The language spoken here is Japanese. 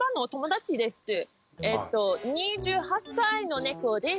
えっと２８歳の猫です。